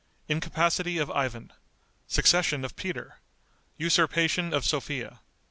Incapacity of Ivan. Succession of Peter. Usurpation of Sophia.